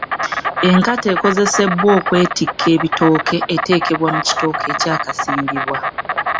Enkata ekozesebbwa okwetikka ebitooke eteekebwa ku kitooke ekyakasimbibwa.